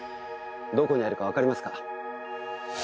どこにあるかわかりますか？